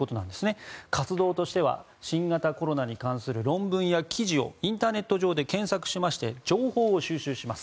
活動としては新型コロナに関する論文や記事をインターネット上で検索しまして情報を収集します。